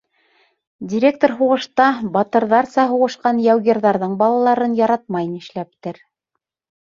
Директор һуғышта батырҙарса һуғышҡан яугирҙарҙың балаларын яратмай, нишләптер.